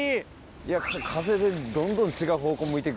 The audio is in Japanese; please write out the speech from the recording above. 風でどんどん違う方向向いてく。